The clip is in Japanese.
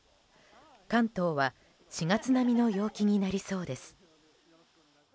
関東は４月並みの陽気になりそうです。